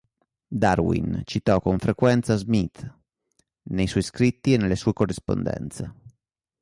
Darwin citò con frequenza Smith nei suoi scritti e nelle sue corrispondenze.